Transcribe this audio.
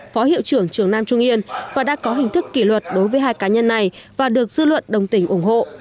phó hiệu trưởng trường nam trung yên và đã có hình thức kỷ luật đối với hai cá nhân này và được dư luận đồng tình ủng hộ